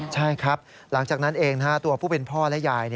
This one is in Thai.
ใช่ครับหลังจากนั้นเองตัวผู้เป็นพ่อและยาย